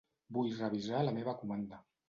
Vull revisar la meva comanda.